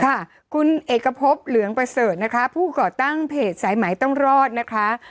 ค่ะคุณเอกพบเหลืองประเสริฐนะคะผู้ก่อตั้งเพจสายไหมต้องรอดนะคะ